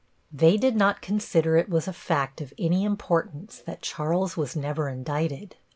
They did not consider it was a fact of any importance that Charles was never indicted.